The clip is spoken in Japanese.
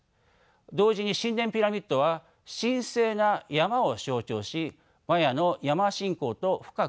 同時に神殿ピラミッドは神聖な山を象徴しマヤの山信仰と深く結び付いていました。